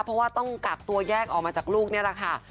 เพราะว่าต้องกักตัวแยกออกมาจากลูกนี่แหละค่ะ